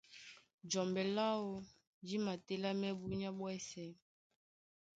Jɔmbɛ láō dí matélámɛ́ búnyá ɓwɛ́sɛ̄.